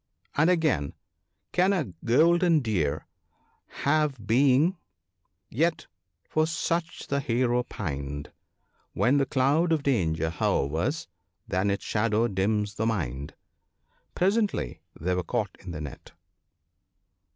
And again, " Can a golden Deer have being ( 19 )? yet for such the Hero pined : When the cloud of danger hovers, then its shadow dims the mind." Presently they were caught in the net.